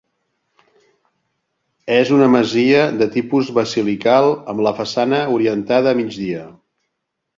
És una masia de tipus basilical amb la façana orientada a migdia.